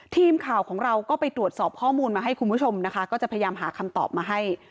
ทีมข่าวของเราก็ไปตรวจสอบข้อมูลมาให้คุณผู้ชมนะคะก็จะพยายามหาคำตอบมาให้